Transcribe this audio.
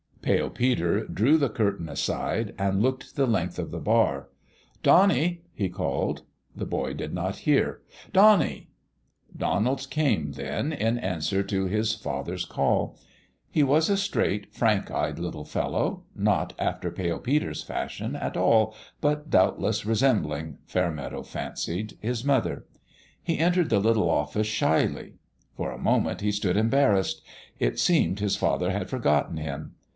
Pale Peter drew the curtain aside and looked the length of the bar. " Donnie !" he called. The boy did not hear. " Donnie !" Donald came, then, in answer to his father's 68 PALE PErER'S GAME call. He was a straight, frank eyed little fellow, not after Pale Peter's fashion, at all, but doubt less resembling, Fairmeadow fancied, his mother. He entered the little office shyly. For a moment he stood embarrassed. It seemed his father had forgotten him.